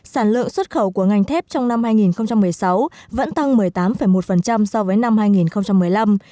sản lượng xuất khẩu của ngành thép trong năm hai nghìn một mươi sáu vẫn tăng một mươi tám một so với năm hai nghìn một mươi năm